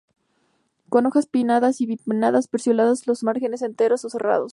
Con hojas pinnadas o bipinnadas, pecioladas con los márgenes enteros o serrados.